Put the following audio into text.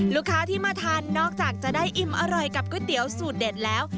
ลูกค้าที่มาทานนอกจากจะได้อิ่มอร่อยกับก๋วยเตี๋ยวสูตรเด็ดแล้ว